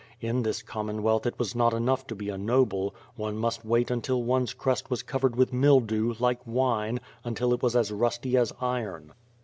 In this Commonwealth it was not enough to be a noble; one must wait until one's crest was covered with mildew, like wine, until it was as rusty as iron.